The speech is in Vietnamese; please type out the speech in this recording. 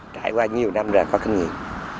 trải qua nhiều năm rồi có kinh nghiệm